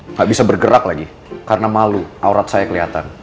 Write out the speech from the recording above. nggak bisa bergerak lagi karena malu aurat saya kelihatan